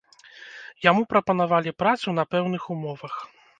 Яму прапанавалі працу на пэўных умовах.